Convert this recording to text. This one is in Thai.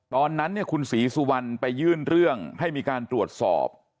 ตอนนั้นเนี่ยคุณศรีสุวรรณไปยื่นเรื่องให้มีการตรวจสอบ